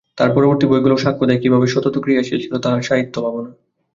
তার পরবর্তী বইগুলোও সাক্ষ্য দেয়, কীভাবে সতত ক্রিয়াশীল ছিল তার সাহিত্যভাবনা।